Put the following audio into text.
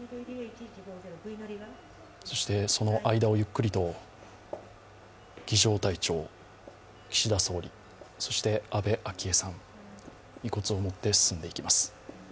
その間をゆっくりと儀じょう隊長、岸田総理、そして安倍昭恵さん、遺骨を持って進んでいきます。